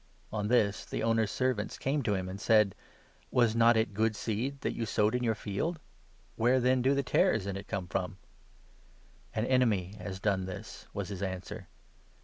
On this the 27 owner's servants came to him, and said ' Was not it good seed that you sowed in your field ? Where, then, do the tares in it come from ?' 'An enemy has done this,' was his answer.